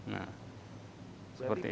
nah seperti itu